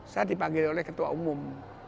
saya dipanggil oleh ketua umum